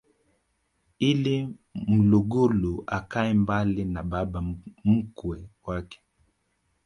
ili mlugulu akae mbali na baba mkwe wake